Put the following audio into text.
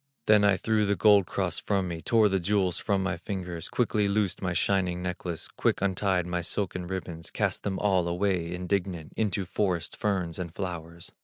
Then I threw the gold cross from me, Tore the jewels from my fingers, Quickly loosed my shining necklace, Quick untied my silken ribbons, Cast them all away indignant, Into forest ferns and flowers.